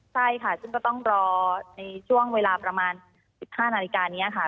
ใช่ค่ะซึ่งก็ต้องรอในช่วงเวลาประมาณ๑๕นาฬิกานี้ค่ะ